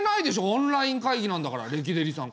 オンライン会議なんだからレキデリさん。